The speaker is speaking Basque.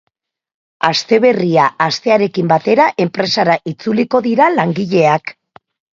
Aste berria hastearekin batera enpresara itzuliko dira langileak.